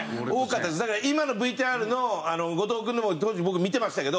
だから今のＶＴＲの後藤君のも当時僕見てましたけど。